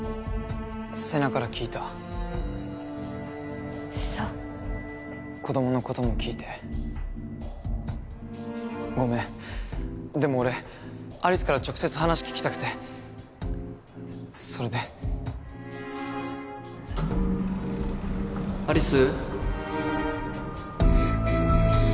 世奈から聞いた嘘子どものことも聞いてごめんでも俺有栖から直接話聞きたくてそれで有栖？